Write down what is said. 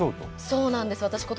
そうなんです。